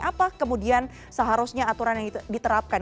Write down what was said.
apa kemudian seharusnya aturan yang diterapkan